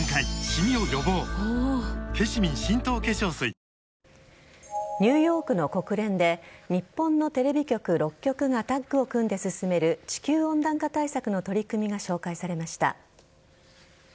アメリカ・ホワイトハウスで開かれた受賞者祝賀式でニューヨークの国連で日本のテレビ局６局がタッグを組んで進める地球温暖化対策の取り組みが紹介されました。